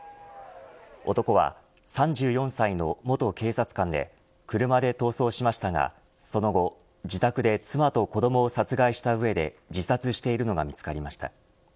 男は３４歳の元警察官で車で逃走しましたが、その後自宅で妻と子どもを殺害した上で自殺しているのが見つかりました。